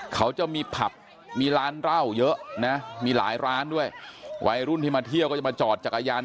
เขาจะมีผับมีร้านเหล้าเยอะนะมีหลายร้านด้วยวัยรุ่นที่มาเที่ยวก็จะมาจอดจักรยาน